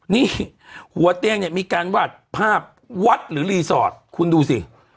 นี่หัวเตียงเนี่ยมีการวาดภาพวัดหรือรีสอร์ทคุณดูสิ